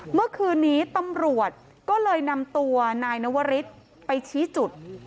เมื่อคืนนี้ตำรวจก็เลยนำตัวนายนวริสไปชี้จุด